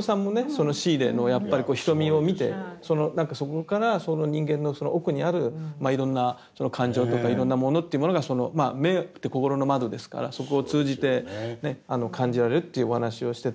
そのシーレのやっぱり瞳を見て何かそこからその人間の奥にあるいろんな感情とかいろんなものっていうものがまあ目って心の窓ですからそこを通じて感じられるっていうお話をしてて。